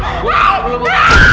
ibu ibu ibu